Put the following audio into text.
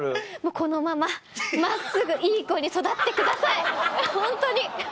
このまま真っすぐいい子に育ってくださいホントに。